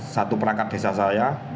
satu perangkat desa saya